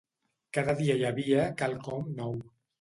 Cada dia hi havia quelcom nou.